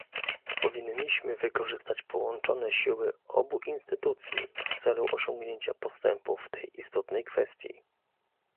Powinniśmy wykorzystać połączone siły obu instytucji w celu osiągnięcia postępu w tej istotnej kwestii